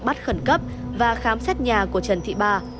bắt khẩn cấp và khám xét nhà của trần thị ba